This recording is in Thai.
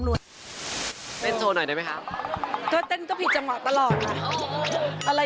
ก็เป็นด้วยผิดจังหวัดตลอดนะ